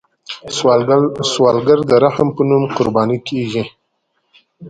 سوالګر د رحم په نوم قرباني کیږي